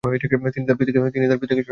তিনি তার পিতাকে সহায়তা করেন।